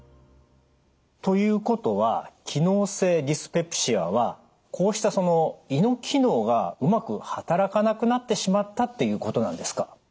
ということは機能性ディスペプシアはこうした胃の機能がうまくはたらかなくなってしまったっていうことなんですか？